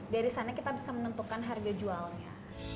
dari sana kita bisa menentukan harga jualnya